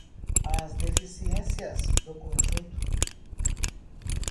as deficiências do conjunto